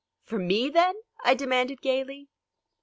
"For me, then?" I demanded gaily.